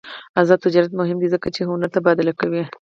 آزاد تجارت مهم دی ځکه چې هنر تبادله کوي.